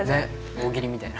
大喜利みたいな。